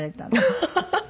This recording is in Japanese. ハハハハ！